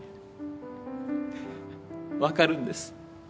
分かるんです